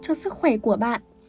cho sức khỏe của bạn